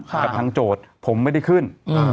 กับทางโจทย์ผมไม่ได้ขึ้น